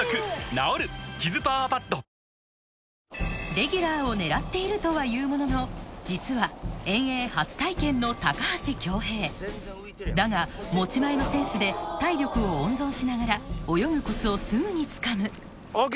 レギュラーを狙っているとは言うものの実はだが持ち前のセンスで体力を温存しながら泳ぐコツをすぐにつかむＯＫ！